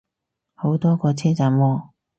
好多個車站喎